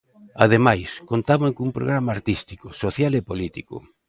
Ademais, contaban cun programa artístico, social e político.